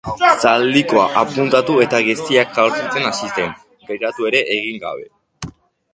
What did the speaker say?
Zaldizkoa apuntatu eta geziak jaurtitzen hasi zen, geratu ere egin gabe.